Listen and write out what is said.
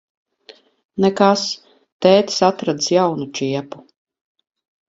Nekas. Tētis atradis jaunu čiepu.